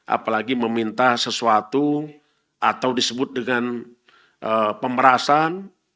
apalagi meminta sesuatu atau disebut dengan pemerasan